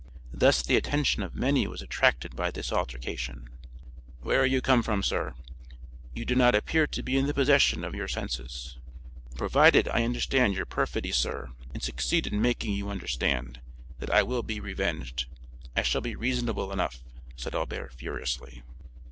Thus the attention of many was attracted by this altercation. "Where are you come from, sir? " said Monte Cristo "You do not appear to be in the possession of your senses." "Provided I understand your perfidy, sir, and succeed in making you understand that I will be revenged, I shall be reasonable enough," said Albert furiously.